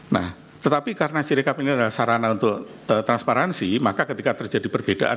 nah tetapi karena sirikap ini adalah sarana untuk transparansi maka ketika terjadi perbedaan